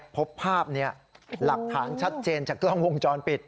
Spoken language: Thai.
พบภาพนี้หลักฐานชัดเจนจากกล้องวงจรปิด